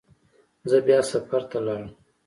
زه بیا سفر ته لاړم.